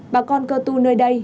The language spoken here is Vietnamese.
bà con cơ tu nơi đây